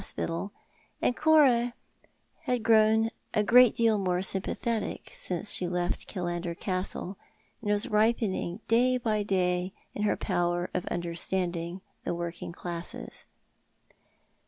spital — and Cora had grown a great deal more sympathetic since she left Killander Castle, and was ripening day by day in her power of understanding the working classes.